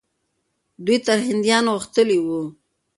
دوی تر هندیانو غښتلي وو.